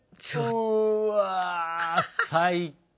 うわ最高。